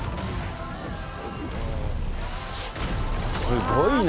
すごいな。